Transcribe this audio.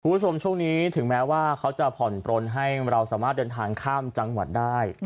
คุณผู้ชมช่วงนี้ถึงแม้ว่าเขาจะผ่อนปลนให้เราสามารถเดินทางข้ามจังหวัดได้